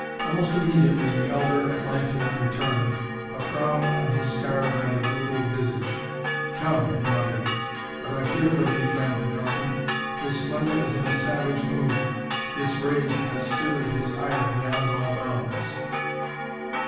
Almost immediately the elder Atlantean returned, a frown on his scarred, rather brutal visage. "Come," he muttered, "but I fear for thee, Friend Nelson; His Splendor is in a savage mood this raid hath stirred his ire beyond all bounds."